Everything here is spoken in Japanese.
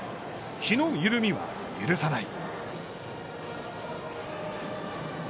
気の緩みは許さない。